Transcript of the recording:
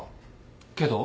けど？